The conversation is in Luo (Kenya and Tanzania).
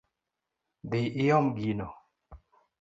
Dhi iom gino